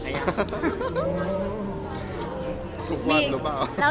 ทุกวันหรือเปล่า